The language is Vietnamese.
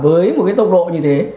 với một cái tốc độ như thế